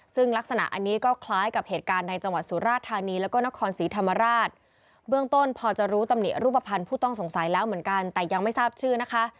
ซึ่งลักษณะอันนี้ก็คล้ายกับเหตุการณ์ในจังหวัดสุราชธานีแล้วก็นครศรีธรรมราชเบื้องต้นพอจะรู้ตำหนิรูปภัณฑ์ผู้ต้องสงสัยแล้วเหมือนกันแต่ยังไม่ทราบชื่อนะคะ